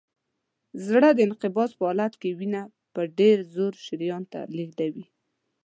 زړه د انقباض په حالت کې وینه په ډېر زور شریان ته لیږدوي.